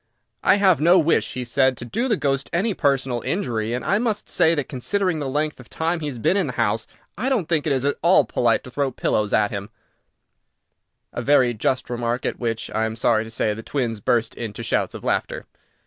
"I have no wish," he said, "to do the ghost any personal injury, and I must say that, considering the length of time he has been in the house, I don't think it is at all polite to throw pillows at him," a very just remark, at which, I am sorry to say, the twins burst into shouts of laughter.